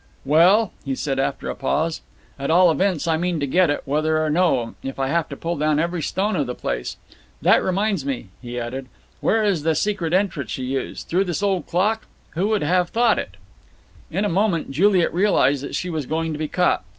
"Well," he said after a pause, "at all events I mean to get it, whether or no, if I have to pull down every stone of the place. That reminds me," he added, "where is the secret entrance you use? Through this old clock? Who would have thought it?" In a moment Juliet realized that she was going to be caught.